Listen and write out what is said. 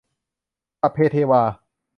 สัพเพเทวา